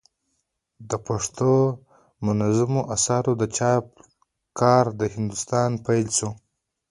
د پښتو دمنظومو آثارو د چاپ کار له هندوستانه پيل سو.